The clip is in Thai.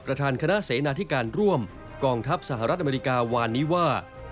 ประธานคณะเสนาธิการร่วมกองทัพสหรัฐอเมริกาวานนี้ว่า